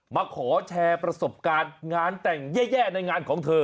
มาขอแชร์ประสบการณ์งานแต่งแย่ในงานของเธอ